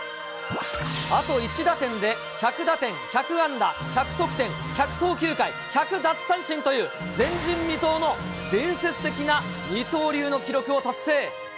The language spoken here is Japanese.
あと１打点で１００打点１００安打１００得点１００投球回、１００奪三振という、前人未到の伝説的な二刀流の記録を達成。